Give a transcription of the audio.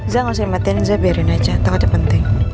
saya nggak usah matiin saya biarin aja takutnya penting